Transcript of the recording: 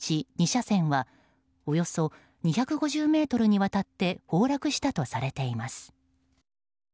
２車線はおよそ２５０ｍにわたって崩落したとされています。